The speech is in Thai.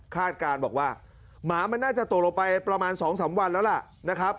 คาดการณ์บอกว่าหมาน่าจะตกลงไปประมาณสองสามวันแล้วแล้วล่ะนะครับ